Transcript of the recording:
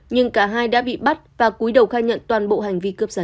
nhưng cả hai đã bị bắt và cuối đầu khai nhận toàn bộ hành vi cướp giật